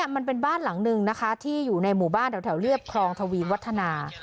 มันเป็นบ้านหลังนึงนะคะที่อยู่ในหมู่บ้านแถวเรียบครองทวีนวัฒนา